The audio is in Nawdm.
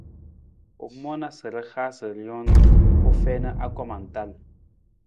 U moona sa ra haasa rijang u fiin anggoma tal.